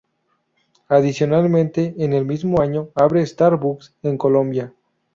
Adicionalmente en el mismo año, abre Starbucks en Colombia.